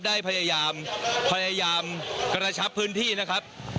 ได้พยายามพยายามกระชับพื้นที่นะครับ